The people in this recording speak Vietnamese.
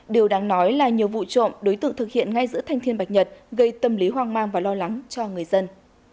điều đáng nói là nhiều vụ trộm đối tượng thực hiện ngay giữa thanh thiên bạch nhật gây tâm lý hoang mang và lo lắng cho người dân